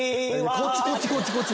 こっちこっちこっち。